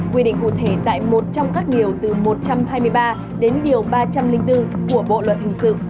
quy định cụ thể tại một trong các điều từ một trăm hai mươi ba đến điều ba trăm linh bốn của bộ luật hình sự